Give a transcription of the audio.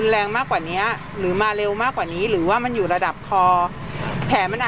ถ้าพี่มาเร็วเนตโดด